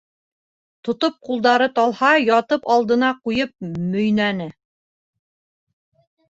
Тотоп ҡулдары талһа, ятып алдына ҡуйып мөйнәне.